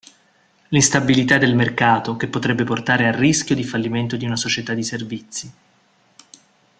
L'instabilità del mercato, che potrebbe portare al rischio di fallimento di una società di servizi.